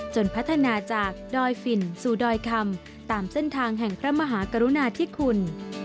พัฒนาจากดอยฝิ่นสู่ดอยคำตามเส้นทางแห่งพระมหากรุณาธิคุณ